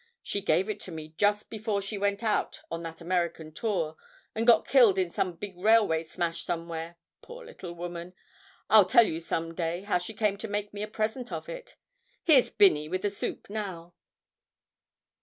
She gave it to me just before she went out on that American tour, and got killed in some big railway smash somewhere, poor little woman! I'll tell you some day how she came to make me a present of it. Here's Binney with the soup now.'